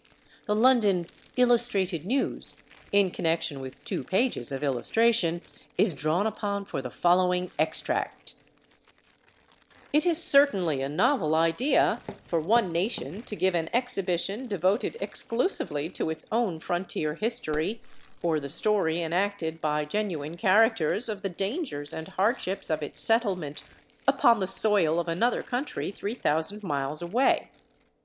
The London Illustrated News, in connection with two pages of illustration, is drawn upon for the following extract: "It is certainly a novel idea for one nation to give an exhibition devoted exclusively to its own frontier history, or the story enacted by genuine characters of the dangers and hardships of its settlement, upon the soil of another country 3,000 miles away.